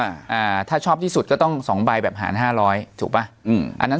อ่าอ่าถ้าชอบที่สุดก็ต้องสองใบแบบหารห้าร้อยถูกป่ะอืมอันนั้น